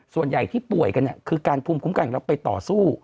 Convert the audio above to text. ส่วนใหญ่ที่ป่วยกันคือการภูมิคุ้มกันของเราไปต่อสู้